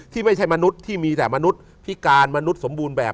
ไม่ใช่มนุษย์ที่มีแต่มนุษย์พิการมนุษย์สมบูรณ์แบบ